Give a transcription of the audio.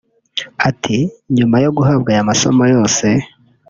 Ati” Nyuma yo guhabwa aya masomo yose